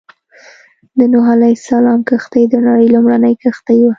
د نوح عليه السلام کښتۍ د نړۍ لومړنۍ کښتۍ وه.